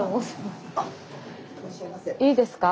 いいですか？